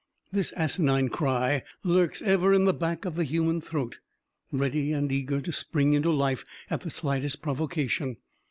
This asinine cry lurks ever in the back of the human throat, ready and eager to spring into life at the slightest provocation.